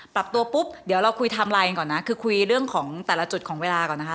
ปรับตัวปุ๊บเดี๋ยวเราคุยไทม์ไลน์กันก่อนนะคือคุยเรื่องของแต่ละจุดของเวลาก่อนนะคะ